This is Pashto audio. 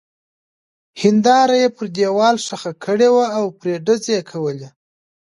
هېنداره يې پر دېوال ښخه کړې وه او پرې ډزې کولې.